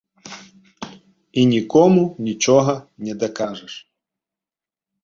І нікому нічога не дакажаш.